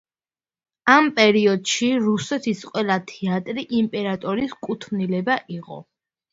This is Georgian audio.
ამ პერიოდში რუსეთის ყველა თეატრი იმპერატორის კუთვნილება იყო.